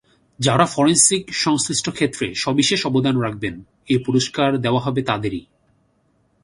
যাঁরা ফরেনসিক সংশ্লিষ্ট ক্ষেত্রে সবিশেষ অবদান রাখবেন, এ পুরস্কার দেওয়া হবে তাদেরই।